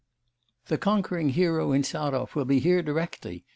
XII 'The conquering hero Insarov will be here directly!